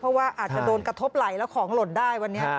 เพราะว่าอาจจะโดนกระทบไหลแล้วของหล่นได้วันนี้